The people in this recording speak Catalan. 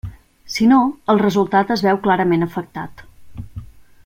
Si no, el resultat es veu clarament afectat.